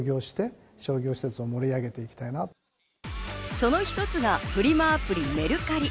その一つがフリマアプリ、メルカリ。